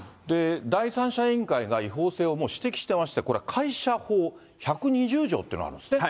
第三者委員会が違法性をもう指摘していまして、これは会社法１２０条というのがあるんですね。